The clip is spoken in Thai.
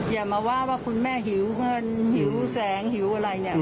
อย่ามาว่าว่าคุณแม่หิวเงินหิวแสงหิวอะไรเนี่ย